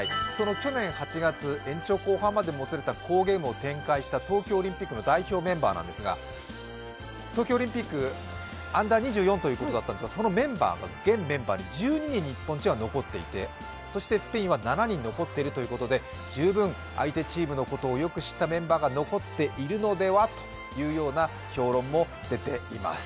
去年８月延長までもつれ込んだゲームにいた東京オリンピックの代表メンバーですが、東京オリンピック、Ｕ−２４ということだったんですが、現メンバーに１２人、日本チームは残っていてスペインは７人残っているということで十分相手チームのことをよく知ったメンバーが残っているのではという評論も出ています。